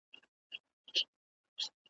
جهاني خپل جنون له ښاره بې نصیبه کړلم .